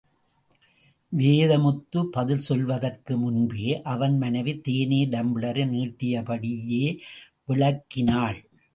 வேதமுத்து பதில் சொல்வதற்கு முன்பே அவன் மனைவி தேநீர் டம்ளரை நீட்டியபடியே விளக்கினாள்.